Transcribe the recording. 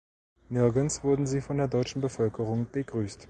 Nirgends wurden sie von der deutschen Bevölkerung begrüßt.